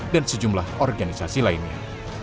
dan sejumlah organisasi lainnya